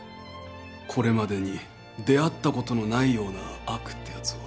これまでに出会ったことのないような悪ってやつを。